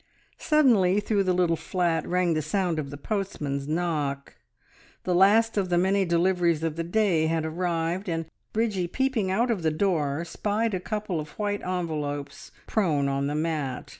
Suddenly through the little flat rang the sound of the postman's knock. The last of the many deliveries of the day had arrived, and Bridgie peeping out of the door spied a couple of white envelopes prone on the mat.